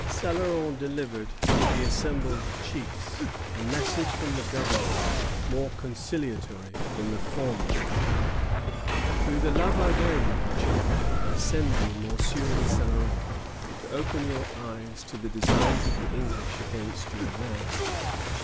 Céloron delivered to the assembled chiefs a message from the Governor more conciliatory than the former, "Through the love I bear you, my children, I send you Monsieur de Céloron to open your eyes to the designs of the English against your lands.